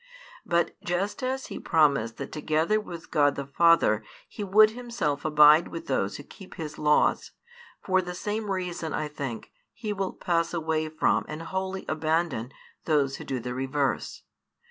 But just as He promised that |333 together with God the Father He would Himself abide with those who keep His laws, for the same reason, I think, He will pass away from and wholly abandon those who do the reverse.